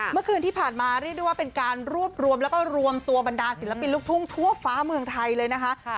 เมื่อคืนที่ผ่านมาเรียกได้ว่าเป็นการรวบรวมแล้วก็รวมตัวบรรดาศิลปินลูกทุ่งทั่วฟ้าเมืองไทยเลยนะคะ